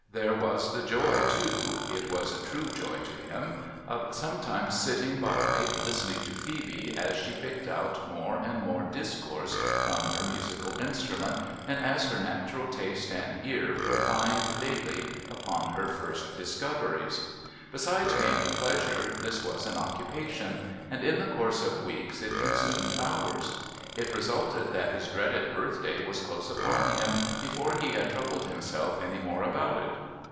There was the joy, too (it was a true joy to him), of sometimes sitting by, listening to Phoebe as she picked out more and more discourse from her musical instrument, and as her natural taste and ear refined daily upon her first discoveries. Besides being a pleasure, this was an occupation, and in the course of weeks it consumed hours. It resulted that his dreaded birthday was close upon him before he had troubled himself any more about it.